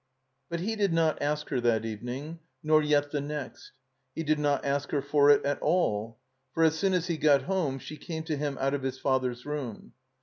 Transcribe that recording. But he did not ask her that evening, nor yet the next. He did not ask her for it at all. For as soon as he got home she came to him out of his father's room.